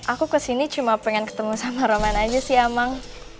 aku kesini cuma pengen ketemu sama roman aja sih emang